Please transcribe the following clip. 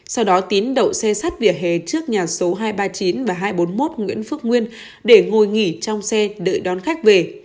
sau đó tín đậu xe sát vỉa hè trước nhà số hai trăm ba mươi chín và hai trăm bốn mươi một nguyễn phước nguyên để ngồi nghỉ trong xe đợi đón khách về